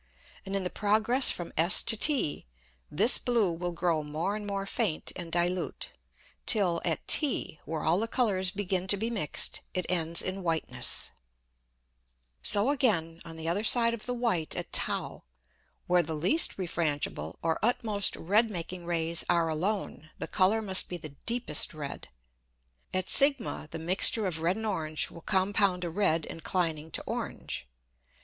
And in the progress from S to T, this blue will grow more and more faint and dilute, till at T, where all the Colours begin to be mixed, it ends in whiteness. [Illustration: FIG. 12.] So again, on the other side of the white at [Greek: t], where the least refrangible or utmost red making Rays are alone, the Colour must be the deepest red. At [Greek: s] the mixture of red and orange will compound a red inclining to orange.